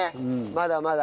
まだまだ。